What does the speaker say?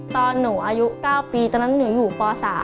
ตอนหนูอายุ๙ปีตอนนั้นหนูอยู่ป๓